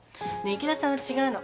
池田さんは違うの。